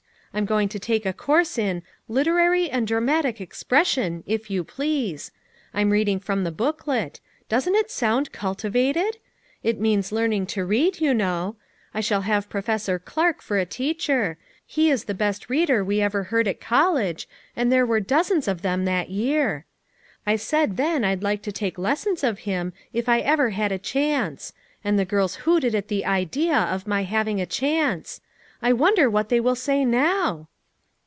I'm going to take a course in ' Literary and Dramatic Expres sion,' if you please; I'm reading from the booklet; doesn't it sound cultivated? It means learning to read, you know. I shall have Pro fessor Clark for a teacher; he is the best reader we ever heard at college, and there were dozens of them that year. I said then I'd like to take lessons of him if I ever had a chance; and the girls hooted at the idea of my having a chance. I wonder what they will say now?"